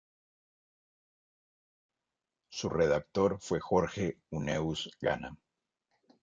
Su redactor fue Jorge Huneeus Gana.